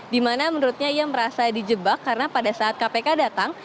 dimana menurutnya ia merasa dijebak karena pada saat kpk datang